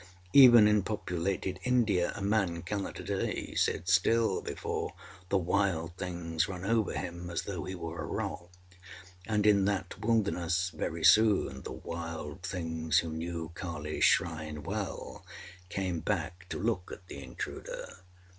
Even in populated India a man cannot a day sit still before the wild things run over him as though he were a rock; and in that wilderness very soon the wild things, who knew Kaliâs Shrine well, came back to look at the intruder.